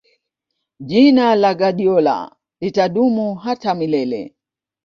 jina la guardiola litadumu hata milele